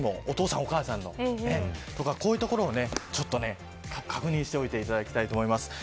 お父さん、お母さんのとかこういったところを確認しておいていただきたいと思います。